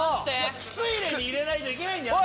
靴入れに入れないといけないんじゃない？